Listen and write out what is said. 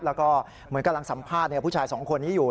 แล้วก็เหมือนกำลังสัมภาษณ์ผู้ชายสองคนนี้อยู่